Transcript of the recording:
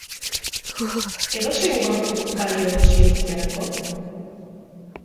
Edozein gorpuk balio du zientziarako?